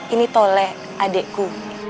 ini tole adikku